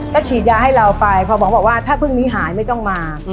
ก็ฉีดยาให้เราไปพอหมอบอกว่าถ้าพึ่งนี้หายไม่ต้องมา